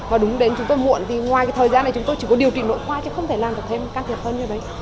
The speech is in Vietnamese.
và đúng đến chúng tôi muộn thì ngoài cái thời gian này chúng tôi chỉ có điều chỉnh nội khoa chứ không thể làm được thêm can thiệp hơn như đấy